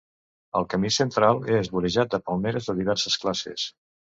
El camí central és vorejat de palmeres de diverses classes.